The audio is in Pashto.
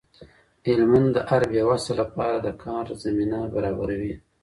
هلمند د هر بې وسه لپاره د کار زمینه برابروي.